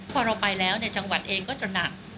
พอเราไปแล้วจังหวัดเองก็จะหนัก